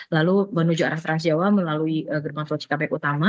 lalu menuju arah transjawa melalui gerbang tol cikampek utama